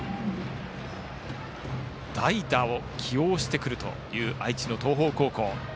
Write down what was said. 代打を起用してくるという愛知・東邦高校。